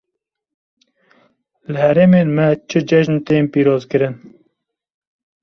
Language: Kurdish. Li herêmên me çi cejn tên pîrozkirin?